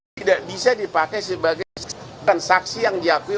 tidak bisa dipakai sebagai transaksi yang diakui